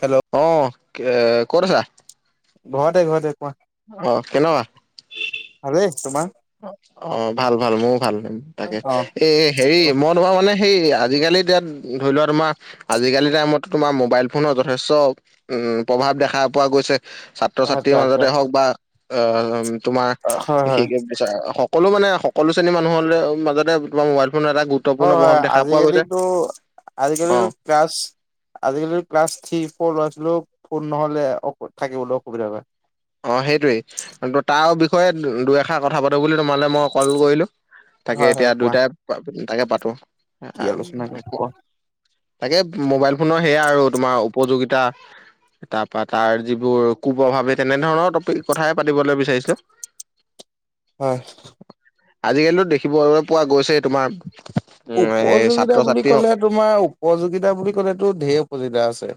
Hello অ', ক'ত আছা? ঘৰতে, ঘৰতে, কোৱা, অ কেনেকুৱা ভালেই, তোমাৰ? অ', ভাল, ভাল, মোৰো ভাল, তাকে অ এ হেৰি মই তোমাৰ মানে সেই আজিকালিতো ধৰি লোৱা তোমাৰ আজিকালি টাইমতো তোমাৰ মোবাইল ফোনৰ যথেষ্ট উম, প্ৰভাৱ দেখা পোৱা গৈছে। ছাত্ৰ ছাত্ৰীৰ আচ্ছা আচ্ছা মাজতে হওক বা অ', তোমাৰ হয় হয় স সকলো মানে সকলো শ্ৰেণীৰ মানুহলে মাজতে তোমাৰ মোবাইল ফোনৰ এটা গুৰুত্বপূৰ্ণ হয়, প্ৰভাৱ হয়, দেখা পোৱা গৈছে আজিকালিতো, অ আজিকালিতো ক্লাছ আজিকালিৰ ক্লাছ থ্ৰী ফ'ৰৰ ল'ৰা ছোৱালীওঁ ফোন নহ'লে অ' থাকিবলৈ অসুবিধা হয়। এই দুই এষাৰ কথা পাতো বুলি তোমালৈ মই কল কৰিলোঁ। তাকে হয় হয় এতিয়া কোৱা দুইটাই তাকে পাতো, কি আহ। আলোচনা কোৱা তাকে মোবাইল ফোনৰ সেয়া আৰু তোমাৰ উপযোগিতা তাৰপৰা তাৰ যিবোৰ কুপ্ৰভাৱে তেনেধৰণৰ টপিক, কথাই পাতিবলৈ বিচাৰিছো। হয়। আজিকালিতো দেখিবলৈ পোৱা গৈছে তোমাৰ। উম সেই উপযোগিতা ছাত্ৰ বুলি ছাত্ৰী হওক ক'লে তোমাৰ উপযোগিতা বুলি ক'লেতো ধঢেৰ উপযোগিতা আছে।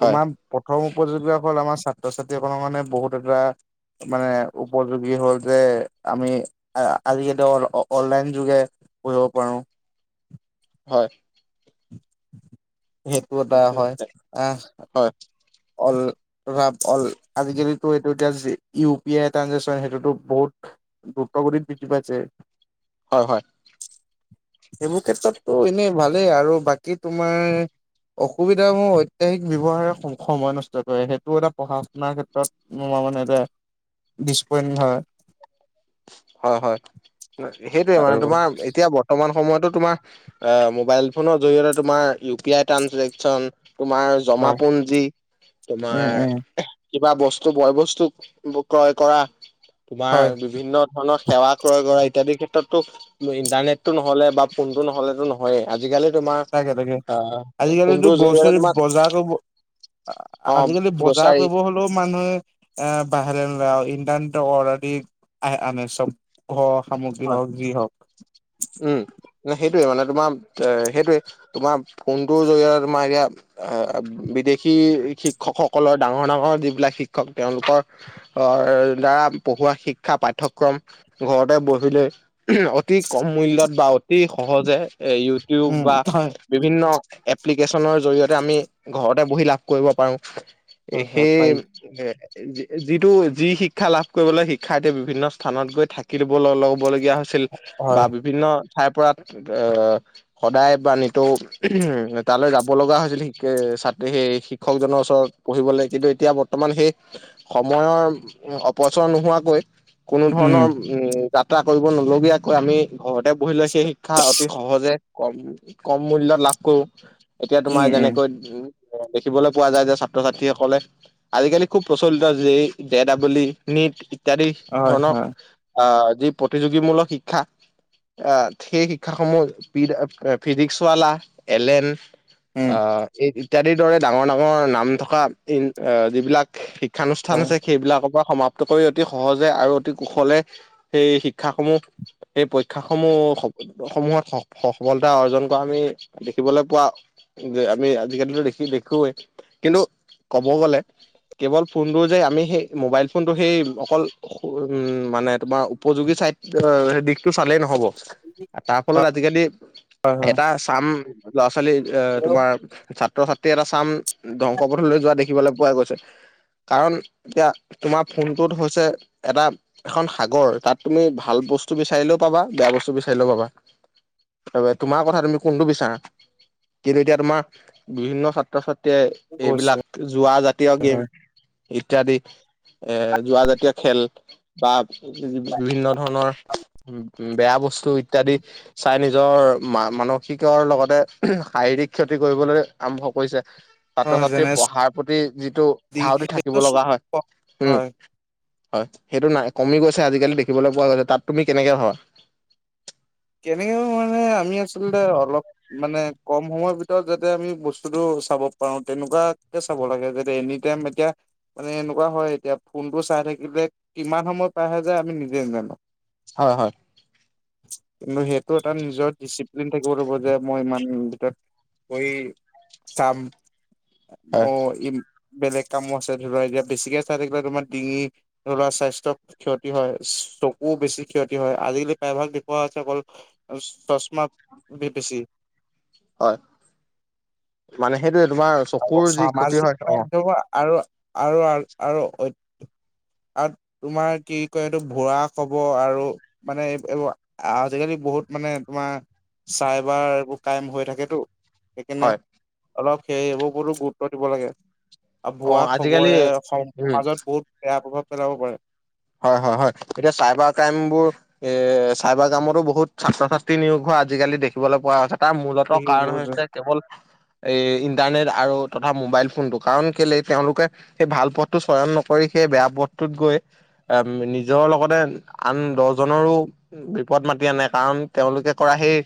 হয় তোমাৰ প্ৰথম উপযোগা হ'ল আমাৰ ছাত্ৰ-ছাত্ৰীসকলৰ কাৰানে বহুত এটা মানে উপযোগী হ'ল যে আমি আজিকালি অনলাইন যুগে পব পো হয়। সেইটো এটা হয়, আহ। হয় অল ত, অল আজিকালিতো এইটো এতিয়া ইউ পি আই ট্ৰঞজেকচন সেইটোতো বহুত গুপ্তাগতিত বৃদ্ধি পাইছে। হয়, হয়। সেইবোৰ ক্ষেত্ৰতটো এনেই ভালেই আৰু বাকী তোমাৰ অসুবিধা মূহ ঐত্যাসিক ব্যৱহাৰে সময় নষ্ট কৰে সেইটো এটা পঢ়া শুনাৰ ক্ষেত্ৰত মানে এটা ডপ হয়। হয়, হয় সেইটোয়ে আৰু মানে তোমাৰ এতিয়া বৰ্তমান সময়ত তোমাৰ মোাইল ফো জৰিয়তে তোমাৰ ইউ পি আই ট্ৰজেন তোমাৰ হয় জমাপুঞ্জী তোমাৰ উম, উম, কিবা বস্তু, বয় বস্তু ক্ৰয় কৰা তোমাৰ হয় বিভিন্ন সেৱা ক্ৰয় কৰা ইত্যাদি ক্ষেত্ৰতো উ, ইন্টাৰনেটটো নহ'লে বা ফোনতটো নহ'লেতো নহয়ে আজিকালি তোমাৰ তাকে, তাকে আহ আজিকালিতো ফোনটোৰ জৰিয়তে গছৰি তোমাক বজাৰ কৰো। আজিকালি অ' বজাৰ গোচাৰি কৰিব হলেও মানুহে এ, বাহৰে নলে আৰু ইণ্টাৰনেট অৰেদি আহ আনে চব। সামগ্ৰী হওক যি হওক উম, মানে তোমাৰ এ সেইটোয়ে তোমাৰ ফোনটোৰ জৰিয়তে তোমাৰ এতিয়া বিদেশী শিক্ষকসকলৰ ডাঙৰ, ডাঙৰ যিবিলাক শিক্ষক তেওঁলোকৰ অৰ দ্বাৰা পঢ়োৱা শিক্ষা পাঠ্যক্ৰম ঘৰতে বহ ভাব অতি কম মূল্যত বা অতি সহজে এ, ইউটিউব উম, বা হয়, বিভিন্ন এপ এপ্লিকেশচনৰ জৰিয়তে আমি ঘৰতে বহি লাভ কৰিব পাৰো হয়, হয় সেই পাৰি যিটো যি শিক্ষা লাভ কৰিবলৈ শিক্ষা এতিয়া বিভিন্ন স্থানত গৈ থাকি দিব। লগীয়া হৈছিল বা হয়, বিভিন্ন ঠাইৰ পৰা আহ সদায় বা নিতৌ উ তালৈ যাব লগা হৈছিল শিকে ছাত্ৰী সেই শিক্ষকজনৰ ওচৰত পঢ়িবলৈ কিন্তু এতিয়া বৰ্তমান সেই সময়ৰ অপচয় নোহোৱাকৈ কোনো উম, ধৰণৰ উম, যাত্ৰা কৰিব নলগীয়াকৈ আমি ঘৰতে পহি লৈ সেই শিক্ষা অতি সহজে কম, কম মূল্য়ত লাভ কৰো। এতিয়া উম, তোমাৰ উম, যেনেকৈ দেখিবলৈ পোৱা যায় যে ছাত্ৰ-ছাত্ৰীসকলে আজিকালি খুব প্ৰচলিত য ডে ডাবলি নট ইত্যাদি হয়, ধৰণক হয়, আহ যি প্ৰতিযোগীমূলক শিক্ষা আহ সেই শিক্ষাস সমূহ ফিজিক্সৱালা এলেন উম, আহ এই ইত্যাদিৰ দৰে ডাঙৰ, ডাঙৰ নাম থকা যিবিলাক শ শিক্ষানুষ্ঠান হয়, আছে সেইবিলাকৰ পৰা সমাপ্ত কৰি অতি সহজে আৰু অতি কুশলে সেই শ শিক্ষাস সমূহ এইেই পৰীক্ষাস সমূহ, সমূহত সফলতা অৰ্জন কৰা আমি দেখিবলৈ পোৱা যে আমি আজিকালিতো দেখি, দেখোৱেই কিন্তু ক'ব গ'লে কেৱল ফোনটোৰ যে আমি সেই মোবাইল ফোনটো সেই অকল উ মানে তোমাৰ উপযোগী অ, সেই দিশতটো চালেই নহব তাৰ ফলত হয়, আজিকালি হয়, হয় এটা চাম ল'ৰা-ছোৱালী এ, তোমাৰ ছাত্ৰ-ছাত্ৰী এটা চাম ধ্বংস পথলৈ যোৱা দেখি শিকিবলৈ পোৱা গৈছে। কাৰণ এতিয়া তোমাৰ ফোনটোত হৈছে। এটা এখন সাগৰ তাত তুমি ভ ভাল বস্তু বিচাৰিলেও পাবা, বেয়া বস্তু বিচাৰিলেও পাবা। তোমাৰ কথা তুমি কোনটো বিচাৰা কিন্তু এতিয়া তোমাৰ বিভিন্ন ছাত্ৰ-ছাত টে গৈছে এইবিলাক যোৱা জাতীয় গেম হয়, ইত্যাদি। এ যোৰা জাতীয় খেল বা বিভিন্ন ধৰণৰ উম। বেয়া বস্তু ইত্যাদি, চাই নিজৰ মা মানসিকৰ লগতে শাৰীৰিক ক্ষতি। কৰিবলৈ আৰম্ভ কৰিছে। ছাত্ৰ হয় ছাত্ৰীৰ যেনে পঢ়াৰ প্ৰতি যিটো ধাউতি থাকিব লগা হয়, হুম। হয় হয়, সেইটো নাই কমি গৈছে। আজিকালি দেখিবলৈ পোৱা গৈছে, তাত তুমি কেনেকে ভাবা। কেনেকে মানে আমি আছ লতে মানে অলপ মানে কম সময়ৰ ভিতৰত যাতে আমি বস্তুতটো চাব পাৰো, তেনেকুৱাকে চাব হ'ব লাগে যাতে, এনিটাইম এতিয়া মানে এনেকুৱা হয় এতিয়া ফোনটো চাই থাকিলে কিমান সময় পাৰ হয় যায়, আমি নিজে নাজানো। হয়, হয়। কিন্তু সেইটো এটা নিজৰ ডিচিপ্লিন থাকিব বহুত হ'ব যে মই ইমান ভিতৰত চাম হয় অ' ই। বেলেগ কামো আছে, ধৰি লোৱা এতিয়া বেছিকে চাই থাকিলে, তোমাৰ ডিঙি ধৰি লোৱা স্বাস্থ্যত ক্ষতি হয়। চকু বেছি ক্ষতি হয় আজিকালি প্ৰায়ভাগ পোৱা হৈছে অকল চশমা বেছি। হয়, মানে সেইটোয়ে তোমাৰ চকুৰ যি ক্ষতি সামাজিক হয় অ'। মাধ্যম আৰু আৰু, আৰু, অইত আৰু তোমাৰ কি কয় এইটো ভোৰা খবৰ আৰু মানে এইবোৰ আজিকালি। বহুত মানে তোমাৰ চাইবাৰ এইবোৰ ক্ৰাইম হৈ থাকেতো। সেইকাৰণে হয় অলপ সেইবোৰ উপৰতো গুৰুত্ব দিব লাগে। অ ভুৱা আজিকালি খবৰে উম সমাজত বহুত বেয়া প্ৰভাৱ পেলাব পাৰে। হয়, হয়, হয়, এতিয়া চাইবাৰ ক্ৰাইমতো বোৰ এ চাইবাৰ ক্ৰাইমতো বহুত ছাত্ৰ- ছাত্ৰী নিয়োগ হোৱা। আজিকালি দেখিবলৈ পোৱা হৈছে, কাৰণ মূলতঃ কাৰণ সেইবোৰ যে কেৱল এই ইণ্টাৰনেট আৰু তথা মোবাইল ফোনটো কাৰণ কেলে তেওঁলোকে সেই ভাল পথটো চয়ন নকৰি সেই বেয়া পথটো টোত গৈ নিজৰ লগতে আন দহজনৰো বিপদ মাতি আনে, কাৰণ তেওঁলোকে কৰা সেই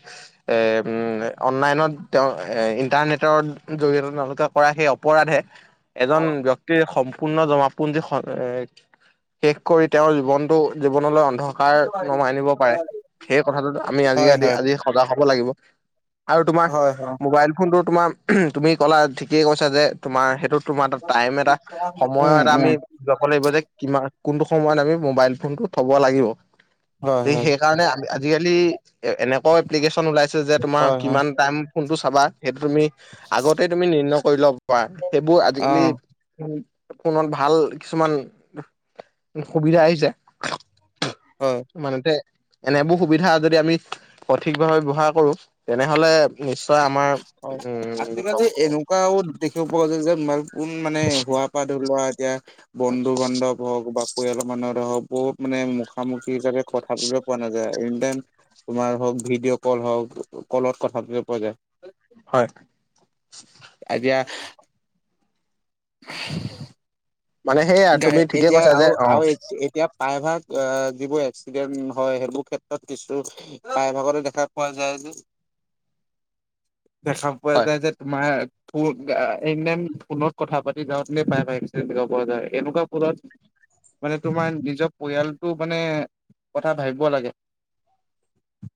এই উম, অনলাইনত তেওঁ এ ইন্টাৰনেটৰ জৰিয়তে তেওঁলোকে কৰা সেই অপৰাধে এজন হয় ব্যক্তিৰ সম্পূৰ্ণ জমাপুঞ্জী এ শেষ কৰি তেওঁৰ জীৱনটো জীৱনলৈ অন্ধকাৰ নমাই আনিব পাৰে। সেই কথাটোতো আমি হয় আজি সজাগ হ'ব লাগিব। আৰু তোমাৰ হয় হয় মোবাইল ফোনটো তোমাৰ তুমি ক'লা ঠিকেই কৈছা যে তোমাৰ সেইটোত তোমাৰ এটা টাইম এটা সময় উম এটা আমি উম যাব লাগিব যে কিমান কোনটো সময়ত আমি মোবাইল ফোনটো থ'ব লাগিব। হয় হয় সেইকাৰণে আজিকালি এনেকুৱাও এপ্লিকেশচন ওলাইছে যে তোমাৰ হয় হয় কিমান টাইম কোনটো চাবা সেইটো তুমি আগতে তুমি নিৰ্ণয় কৰি ল'ব পাৰা। সেইবোৰ অ আজিকালি ফোনত ভাল কিছুমান সুবিধা আহিছে। হয় মানেতে এনেবোৰ সুবিধা যদি আমি সঠিক ভাৱে ব্যৱহাৰ কৰো, তেনেহ'লে নিশ্বয় তোমাৰ হয়, আজিকালি এনেকুৱাও দেখিব পোৱা যায়, যে ফোন মানে হোৱাৰ পৰা ধৰি লোৱা এতিয়া বন্ধু বান্ধৱ হওঁক বা পৰিয়ালৰ মানুহৰে হওঁক বহুত মানে মুখামুখি হিচাপে কথা পতিবলৈ পোৱা নাযায়। তোমাৰ হওঁক ভিডিঅ' কল হওঁক কলত কথা পাতিব পোৱা যায়। হয় আইদিয়া [inaudible] মানে সেইয়া গাই তুমি ঠিকে এতিয়া কৈছা যে আৰু অ আৰু এতিয়া প্ৰায়ভাগ অ' যিবোৰ এক্সিডেন্ট হয়, সেইবোৰ ক্ষেত্ৰত কিছু প্ৰায় ভাগতে দেখা পোৱা যায় যে। [inaudible] দেখা পোৱা হয় যায় যে তোমাৰ। এনিটাইম ফোনত কথা পাতি যাওঁতে পাই, পাই এক পোৱা যায়। এনেকুৱা কৰাত। মানে তোমাৰ নিজৰ পৰিয়ালটো মানে কথা ভাবিব লাগে। [inaudible]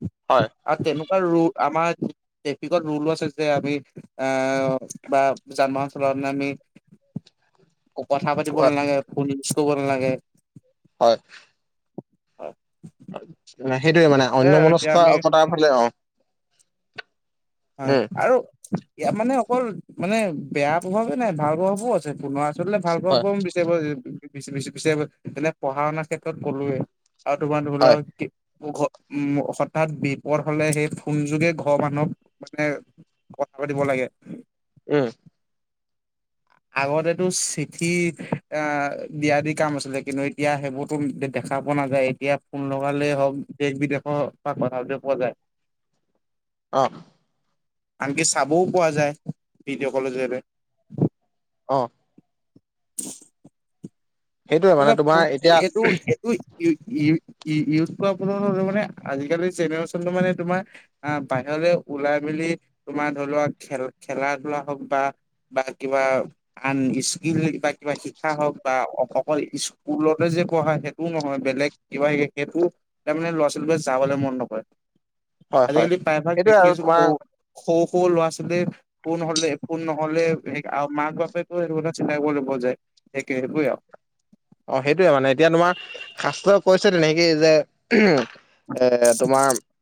আ তেন ৰু আমাৰ ট্ৰেফিকত ৰুলো আছে যে আমি অ', বা যান বাহন চল বণামি। উ [unintelligible] কথা পাতিব নালাগে, ফোন ইউচ কৰিব নালাগে। হয়। হয়। সেইটোয়ে মানে অন্য এতিয়া মনস্ক আমি কটাৰ ফালে অ'। হয়, উম আৰু। ইয়াৰ মানে অকল মানে বেয়া প্ৰভাৱে নাই, ভাল প্ৰভাৱো আছে তোমাৰ। চল ভাল হয় পাব বিচাৰিবাৰ তে পঢ়া শুনাৰ ক্ষেত্ৰত ক'লোৱৱে [unintelligible] আৰু তোমাৰ ধৰি হয় লওক উ হঠাৎ বিপদ হ'লে সেই ফোন যোগে ঘৰ মানুহক। মানে কথা পাতিব লাগে। উম। আগতেটো চিঠি অ', দিয়া দি কাম আছিলে কিন্তু এতিয়া সেইবোৰতো। দেখা পোৱা নাযায়, এতিয়া ফোন লগালেই হওক দেশ বিদেশৰ পৰা কথাবতে পোৱা যায়। অ'। আনকি চাবও পোৱা যায়, ভিডিঅ' কলৰ জৰিয়তে। অ'। [unintelligible] সেইটোয়ে মানে আপোনাৰ তোমাৰ ফোন এতিয়া এটো এটি। ই-ই-ইউজ কৰা প মানে আজিকালিৰ জেনেৰেশচনটো মানে তোমাৰ বাহিৰত। ওলাই মেলি তোমাৰ ধৰি লোৱা খেল-খেলা ধূলা হওঁক বা। বা কিবা আন স্কিল বা কিবা শিকা হওঁক বা। অকল স্কুলতে যে পঢ়া সেইটোও নহয়, বেলেগ কিবা সেইটোও তাৰমানে ল'ৰা ছোৱালীবোৰে যাবলৈ মন। মন নকৰে হয় হয় আজিকালি পায়ভাগ সেইটোয়ে দেখি আৰু আছোঁ ক। তোমাৰ সৰু, সৰু ল'ৰা ছোৱালীয়ে ফোন হ'লে ফোন নহ'লে মাক বাপেকো সেটো কথাও চিন্তা কৰিব লাগিব। এক ব [unintelligible] অ সেইটোয়ে মানে এতিয়া তোমাৰ শাস্ত্ৰই কৈছে তেনেকি যে। ত [unintelligible]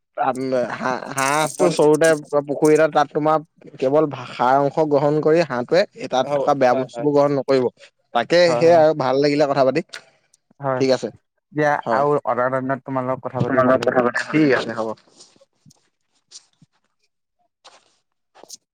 হাঁ-হাঁহটো আপুনি চৰুতে পুখুৰীতে তাত তোমাৰ কেৱল ভাষা। অং গ্ৰহণ কৰি হাঁহটোৱে তাত হ'ব থকা বেয়া হয় হয়। বস্তুবোৰ গ্ৰহণ নকৰিব, তাকে হয় সেই হয় আৰু ভাল লাগিলে কথা। পাতি হয় ঠিক আছে। দিয়া হয়, আৰু অৰ্ডাৰ দিনত তোমাৰ লগত কথা পাতি তোমাৰ ভাল লগত লাগিব। কথা পাতিম, ঠিক আছে হ'ব। [inaudible]